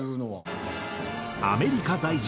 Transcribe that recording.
アメリカ在住。